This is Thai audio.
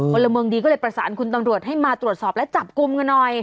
พลเมืองดีก็เลยประสานคุณตำรวจให้มาตรวจสอบและจับกลุ่มกันหน่อย